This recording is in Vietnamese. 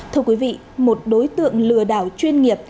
thưa quý vị một đối tượng lừa đảo chuyên nghiệp